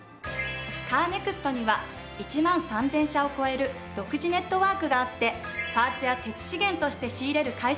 カーネクストには１万３０００社を超える独自ネットワークがあってパーツや鉄資源として仕入れる会社もあるの。